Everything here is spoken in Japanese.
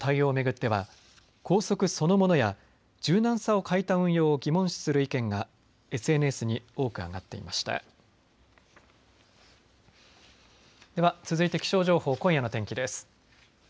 では続いて気象情報、今夜の天気です。